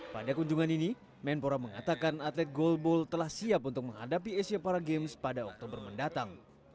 pada kunjungan ini menpora mengatakan atlet goalball telah siap untuk menghadapi asia para games pada oktober mendatang